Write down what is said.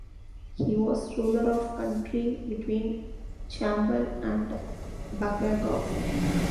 He was ruler of country between Chambal and Banganga.